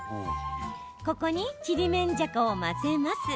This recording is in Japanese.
ここにちりめんじゃこを混ぜます。